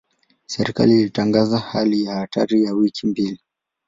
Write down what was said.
Serikali ilitangaza hali ya hatari ya wiki mbili.